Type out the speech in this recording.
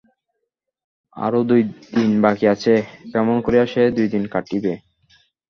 আরো দুই দিন বাকি আছে–কেমন করিয়া সে দুই দিন কাটিবে।